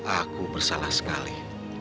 aku bersalah sekali